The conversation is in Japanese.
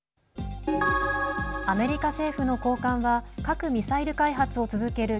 アメリカ政府の高官は核・ミサイル開発を続ける